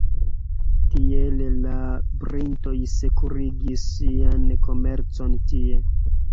Tiele la britoj sekurigis sian komercon tie.